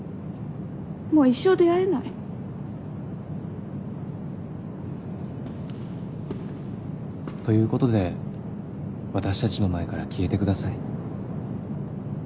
もう一生出会えない。ということで私たちの前から消えてください。